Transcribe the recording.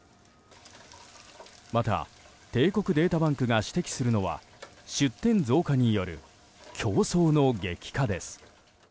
また、帝国データバンクが指摘するのは出店増加による競争の激化です。